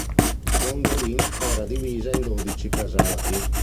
Gondolin era divisa in dodici Casati.